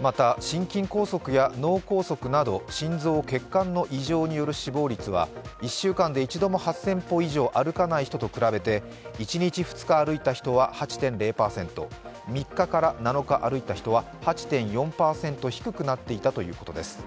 また、心筋梗塞や脳梗塞など心臓・血管の異常による死亡率は１週間で一日も８０００歩以上歩かない人と比べて１日、２日歩いた人は８．０％、３日から７日歩いた人は８．４％低くなっていたということです。